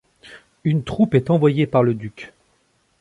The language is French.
Une troupe est envoyé par le duc.